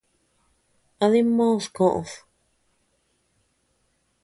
¿A dimid koʼod?